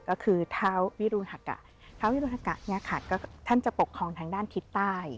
ก็คือเท้าวิรุณหักกะท่านจะปกครองทางด้านทิศใต้